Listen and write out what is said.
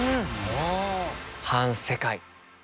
「反世界」。